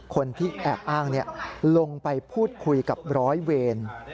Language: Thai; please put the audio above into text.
คนที่แอบอ้างลงไปพูดคุยกับร้อยเวร